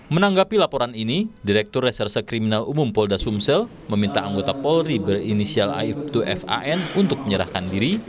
menanggapi laporan ini direktur reserse kriminal umum polda sumsel meminta anggota polri berinisial aib dua fan untuk menyerahkan diri